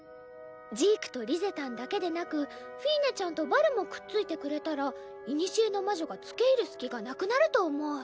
ジークとリゼたんだけでなくフィーネちゃんとバルもくっついてくれたら古の魔女がつけいる隙がなくなると思う。